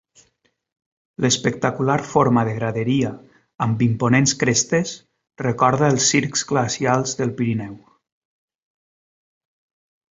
L'espectacular forma de graderia amb imponents crestes recorda els circs glacials del Pirineu.